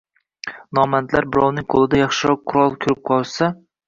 Momandlar birovning qo’lida yaxshiroq qurol ko’rib qolishsa